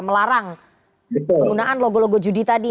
melarang penggunaan logo logo judi tadi